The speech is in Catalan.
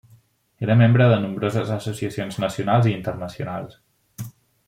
Era membre de nombroses associacions nacionals i internacionals.